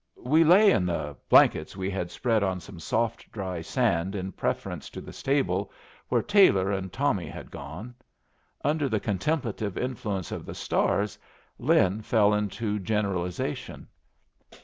We lay in the blank we had spread on some soft, dry sand in preference to the stable, where Taylor and Tommy had gone. Under the contemplative influence of the stars, Lin fell into generalization.